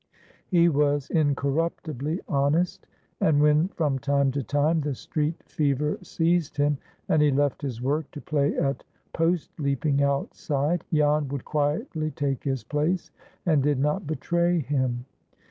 He was incorruptibly honest, and when from time to time the street fever seized him, and he left his work to play at post leaping outside, Jan would quietly take his place, and did not betray him.